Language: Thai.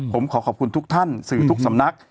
ผมขอขอบคุณทุกท่านสื่อทุกสำนัก